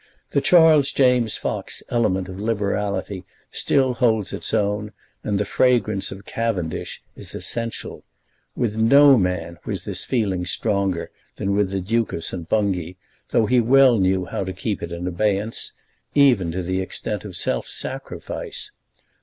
The Charles James Fox element of liberality still holds its own, and the fragrance of Cavendish is essential. With no man was this feeling stronger than with the Duke of St. Bungay, though he well knew how to keep it in abeyance, even to the extent of self sacrifice.